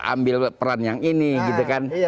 ambil peran yang ini gitu kan